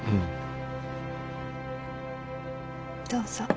どうぞ。